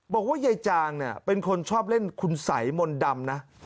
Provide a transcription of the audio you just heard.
บอกว่ายายจางเนี่ยเป็นคนชอบเล่นคุณสัยมนต์ดำนะ